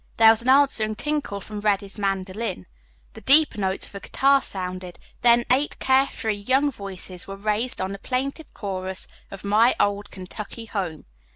There was an answering tinkle from Reddy's mandolin, the deeper notes of a guitar sounded, then eight care free young voices were raised in the plaintive chorus of "My Old Kentucky Home."